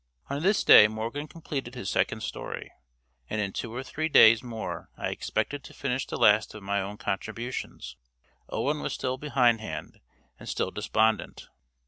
On this day Morgan completed his second story, and in two or three days more I expected to finish the last of my own contributions. Owen was still behindhand and still despondent.